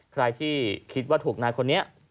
ใครที่คิดว่าถูกนายคนนี้